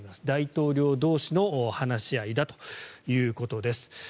大統領同士の話し合いだということです。